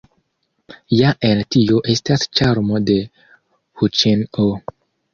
Ja en tio estas ĉarmo de huĉin-o.